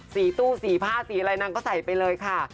ตู้สีผ้าสีอะไรนางก็ใส่ไปเลยค่ะ